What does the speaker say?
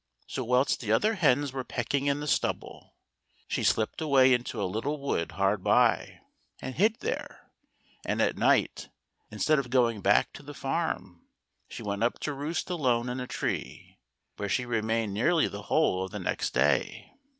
So whilst the other hens were pecking in the stubble, she slipped away into a little wood hard by and hid there ; and at night, instead of going back to the farm, she went up to roost alone in a tree, where she remained nearly the whole of the next day.